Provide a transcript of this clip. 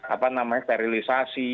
apa namanya sterilisasi